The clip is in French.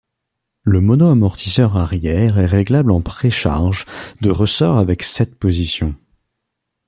Le monoamortisseur arrière est réglable en précharge de ressort avec sept positions.